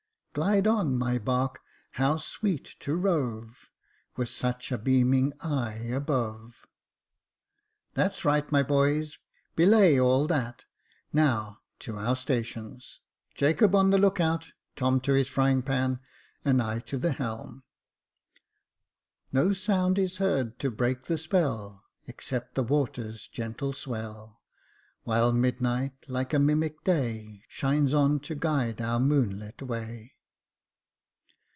" Glide on, my bark ; how sweet to rove, With such a beaming eye above !*' That's right, my boys, belay all that ; now to our stations ; Jacob on the look out, Tom to his frying pan, and I to the helm. " No sound is heard to break the spell, Except the water's gentle swell ; While midnight, like a mimic day, Shines on to guide our moonlight way.